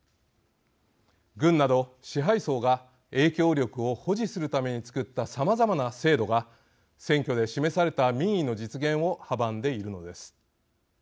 軍など支配層が影響力を保持するためにつくったさまざまな制度が選挙で示された民意の実現を阻んでいるのです。